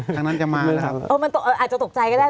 อ๋อมันอาจจะตกใจก็ได้